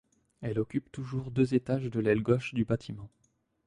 Elle occupe toujours deux étages de l'aile gauche du bâtiment.